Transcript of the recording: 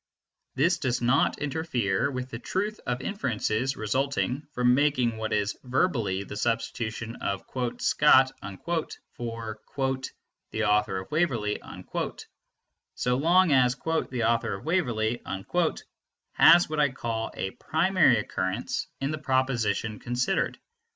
This does not interfere with the truth of inferences resulting from making what is verbally the substitution of "Scott" for "the author of Waverley," so long as "the author of Waverley" has what I call a primary occurrence in the proposition considered.